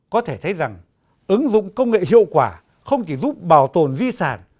có thể thấy rằng ứng dụng công nghệ hiệu quả không chỉ giúp bảo tồn di sản